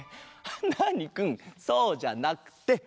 ナーニくんそうじゃなくて。